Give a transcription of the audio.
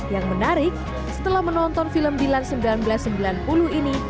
yang menarik setelah menonton film dilan seribu sembilan ratus sembilan puluh ini